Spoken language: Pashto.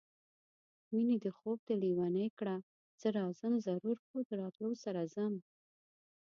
مېنې دې خوب دې لېونی کړه زه راځم ضرور خو د راتلو سره ځم